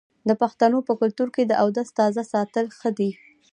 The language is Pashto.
د پښتنو په کلتور کې د اودس تازه ساتل ښه دي.